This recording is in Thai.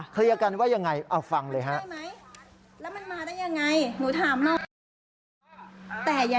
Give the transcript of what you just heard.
กันว่ายังไงเอาฟังเลยฮะ